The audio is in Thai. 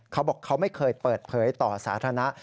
เขาบอกเขาไม่เคยเปิดเผยต่อสาธารณะ